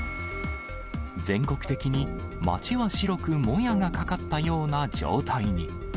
全国的に街は白くもやがかかったような状態に。